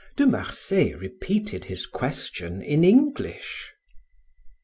De Marsay repeated his question in English.